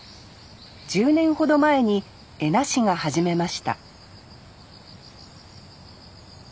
１０年ほど前に恵那市が始めました